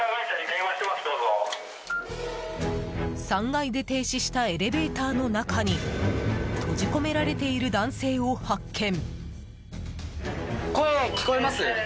３階で停止したエレベーターの中に閉じ込められている男性を発見。